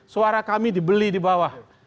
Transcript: suara kami dibeli di bawah